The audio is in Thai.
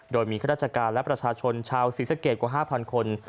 โดยมีข้าราชการและประชาชนชาวศรีสะเกดกว่า๕๐๐คน